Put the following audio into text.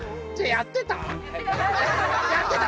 やってた。